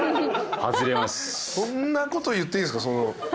そんなこと言っていいんですか？